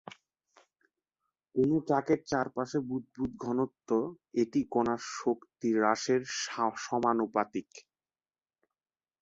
কোনও ট্র্যাকের চারপাশে বুদবুদ ঘনত্ব একটি কণার শক্তি হ্রাসের সমানুপাতিক।